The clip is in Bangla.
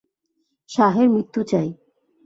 শাহ এর মৃত্যু চাই!